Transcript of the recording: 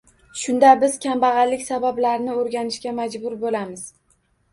Shunda biz kambag‘allik sabablarini o‘rganishga majbur bo‘lamiz.